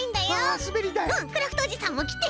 うんクラフトおじさんもきてきて。